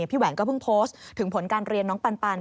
แหวนก็เพิ่งโพสต์ถึงผลการเรียนน้องปัน